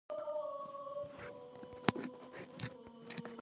باور دادی چې دا د نبطیانو د دولتي بانک ودانۍ وه.